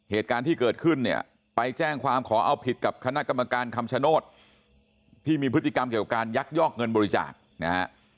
เหตุการณ์ที่เกิดขึ้นเนี่ยไปแจ้งความขอเอาผิดกับคณะกรรมการคำชโนธที่มีพฤติกรรมเกี่ยวกับการยักยอกเงินบริจาคนะฮะ